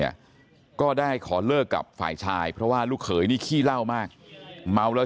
ยาใจนะทหาร